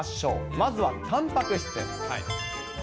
まずはたんぱく質です。